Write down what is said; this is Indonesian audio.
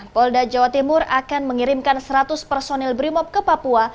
polda jawa timur akan mengirimkan seratus personil brimob ke papua